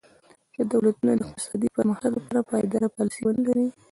که دولتونه د اقتصادي پرمختګ لپاره پایداره پالیسي ونه لري.